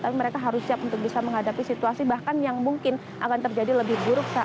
tapi mereka harus siap untuk bisa menghadapi situasi bahkan yang mungkin akan terjadi lebih buruk